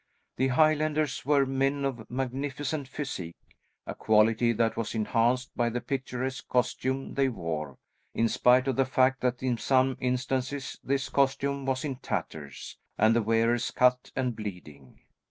The Highlanders were men of magnificent physique, a quality that was enhanced by the picturesque costume they wore, in spite of the fact that in some instances, this costume was in tatters, and the wearers cut and bleeding.